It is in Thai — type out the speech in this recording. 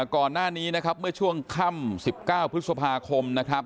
ก่อนหน้านี้เมื่อช่วงคำ๑๙พฤศพาคม